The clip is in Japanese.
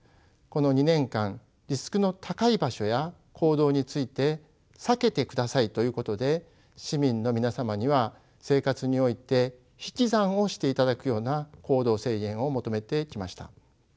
この２年間リスクの高い場所や行動について避けてくださいということで市民の皆様には生活において引き算をしていただくような行動制限を求めてきました。